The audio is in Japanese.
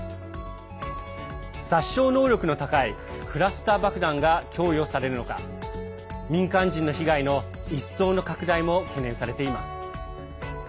殺傷能力の高いクラスター爆弾が供与されるのか民間人の被害の一層の拡大も懸念されています。